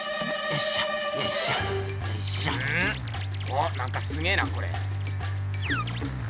おっなんかすげえなこれ。